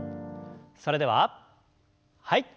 それでははい。